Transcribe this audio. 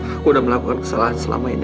aku sudah melakukan kesalahan selama ini